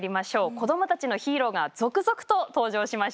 子どもたちのヒーローが続々と登場しました。